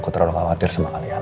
aku terlalu khawatir sama kalian